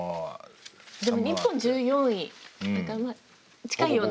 でも日本１４位だからまあ近いような。